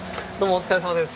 お疲れさまです。